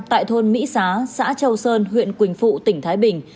tại thôn mỹ xá xã châu sơn huyện quỳnh phụ tỉnh thái bình